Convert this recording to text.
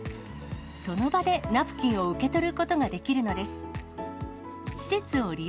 その場でナプキンを受け取ることができるのです。